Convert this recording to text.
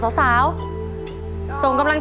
โชคชะตาโชคชะตา